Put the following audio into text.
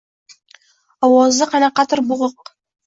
Ovozi qanaqadir boʻgʻiq.